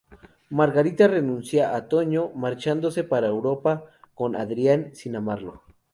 Margarita renuncia a Toño marchándose para Europa con Adrián, sin amarlo.